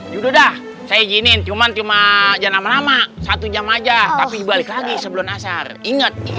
yaudah dah saya izinin cuman cuman jangan lama lama satu jam aja tapi balik lagi sebelum nasar inget